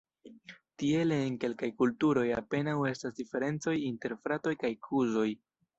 Tiele en kelkaj kulturoj apenaŭ estas diferencoj inter fratoj kaj kuzoj.